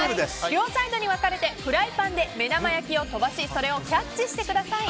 両サイドに分かれてフライパンで目玉焼きを飛ばしそれをキャッチしてください。